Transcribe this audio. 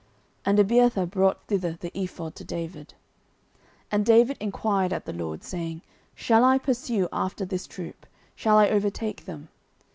And Abiathar brought thither the ephod to David. 09:030:008 And David enquired at the LORD, saying, Shall I pursue after this troop? shall I overtake them?